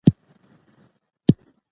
ښوونځي نجونې د مدني دندې لپاره چمتو کوي.